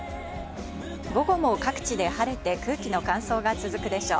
午後も各地で晴れて、空気の乾燥が続くでしょう。